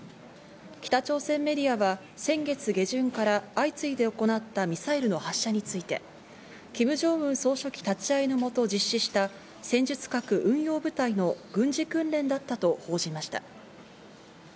北朝鮮メディアは先月下旬から相次いで行ったミサイルの発射についてキム・ジョンウン総書記立ち会いのもと実施した、戦術核運用部隊の軍事訓練だったと報じました。